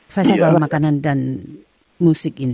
festival makanan dan musik ini